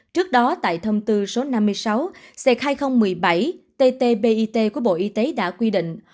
trước đó tại thông tư số năm mươi sáu hai nghìn một mươi bảy ttbit của bộ y tế đã quy định